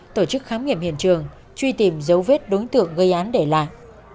tổ chức khám nghiệm hiện trường truy tìm dấu vết đối tượng gây án để lại